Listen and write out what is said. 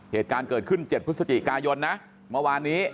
เหตุการณ์เกิดขึ้น๗พฤศจิกายนนะเมื่อวานนี้